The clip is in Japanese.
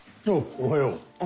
おはよう。